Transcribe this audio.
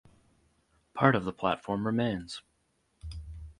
Part of the platform remains.